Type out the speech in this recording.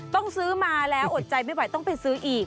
ต้องซื้อมาแล้วอดใจไม่ไหวต้องไปซื้ออีก